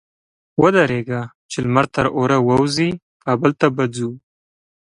ودرېږه! چې لمر تر اوره ووزي؛ کابل ته به ځو.